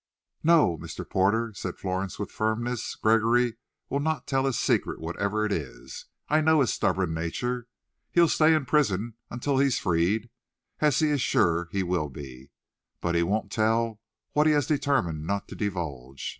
"No, Mr. Porter," said Florence, with firmness; "Gregory will not tell his secret, whatever it is. I know his stubborn nature. He'll stay in prison until he's freed, as he is sure he will be, but he won't tell what he has determined not to divulge.